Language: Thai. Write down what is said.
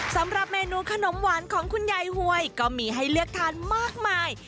สำหรับเมนูขนมหวานของคุณยายหวยก็มีให้เลือกทานมากมาย